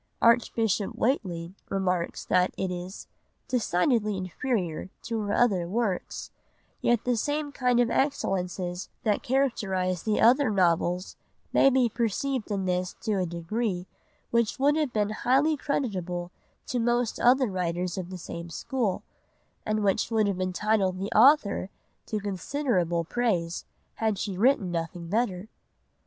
Archbishop Whateley remarks that it is "decidedly inferior to her other works—yet the same kind of excellences that characterise the other novels may be perceived in this to a degree which would have been highly creditable to most other writers of the same school, and which would have entitled the author to considerable praise had she written nothing better."